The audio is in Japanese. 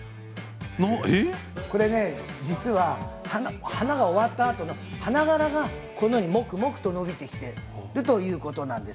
実は花が終わったあと、花がらがこのようにもくもくと伸びてきているということなんです。